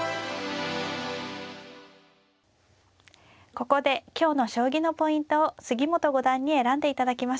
ここで今日の将棋のポイントを杉本五段に選んでいただきました。